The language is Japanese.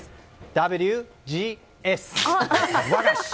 ＷＧＳ、和菓子。